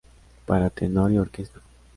Para tenor y orquesta.